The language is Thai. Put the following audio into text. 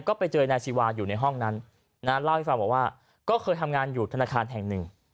ก็ไปเจอนายซีวาอยู่ในห้องนั้นนะเล่าให้ฟังบอกว่าก็เคยทำงานอยู่ธนาคารแห่งหนึ่ง